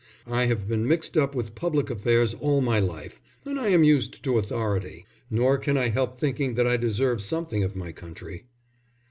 I have been mixed up with public affairs all my life, and I am used to authority. Nor can I help thinking that I deserve something of my country."